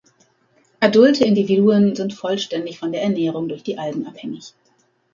Adulte Individuen sind vollständig von der Ernährung durch die Algen abhängig.